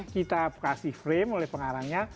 kita kasih frame oleh pengarangnya